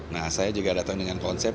nah saya juga datang dengan konsep